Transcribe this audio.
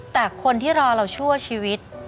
แต่คนที่รอเราชั่วชีวิต